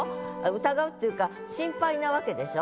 疑うっていうか心配なわけでしょ？